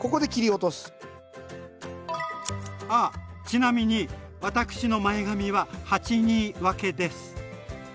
あちなみに私の前髪は八二分けです！